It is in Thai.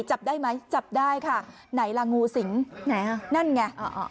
จับได้มั้ยจับได้ค่ะไหนล่ะงูสิงไหนเหรอ